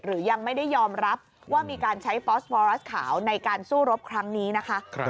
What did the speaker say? หรือยังไม่ได้ยอมรับว่ามีการใช้ฟอสวรัสขาวในการสู้รบครั้งนี้นะคะ